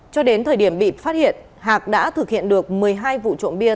cho đến thời điểm bị phát hiện hạc đã thực hiện được một mươi hai vụ trộm bia